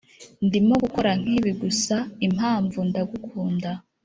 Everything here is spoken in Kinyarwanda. ndimo gukora nkibi gusa 'impamvu ndagukunda